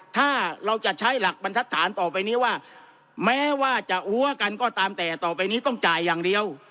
ถ้าเราจะใช้หลักบรรทัศนต่อไปนี้ว่าแม้ว่าจะหัวกันก็ตามแต่ต่อไปนี้ต้องจ่ายอย่างเดียว